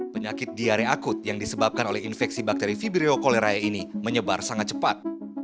penyakit diare akut yang disebabkan oleh infeksi bakteri fibrio cholerae ini menyebar sangat cepat